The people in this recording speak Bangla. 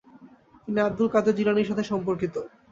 তিনি আব্দুল কাদের জিলানীর সাথে সম্পর্কিত।